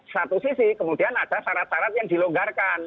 satu sisi kemudian ada syarat syarat yang dilonggarkan